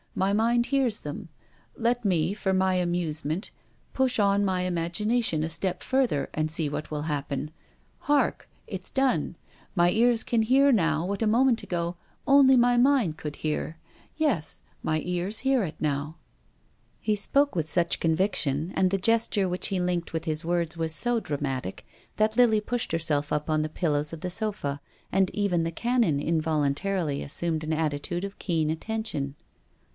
My mind hears them. Let me — for my amusement — push on my imagination a step further and sec what will happen. Hark ! THE DEAD CHILD. 193 It's done. My ears can hear now what a moment ago only my mind could hear. Yes, my ears hear it now." He spoke with such conviction, and the gesture which he linked with his words was so dramatic, that Lily pushed herself up on the pillows of the sofa, and even the Canon involuntarily assumed an attitude of keen attention.